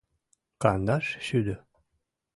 Кандаш шӱдӧ!